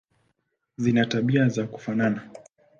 Zina tabia za kufanana.